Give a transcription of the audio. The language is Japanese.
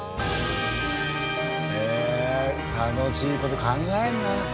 へえ楽しい事考えるなあ。